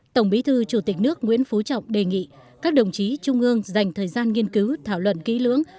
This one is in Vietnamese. tổng bí thư chủ tịch nước nguyễn phú trọng đề nghị các đồng chí trung ương dành thời gian nghiên cứu thảo luận kỹ lưỡng